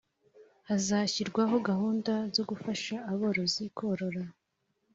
Hazashyirwaho gahunda zo gufasha aborozi korora